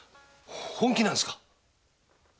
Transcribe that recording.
本気なんですか？